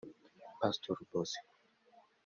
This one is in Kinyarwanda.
Pastor Bosco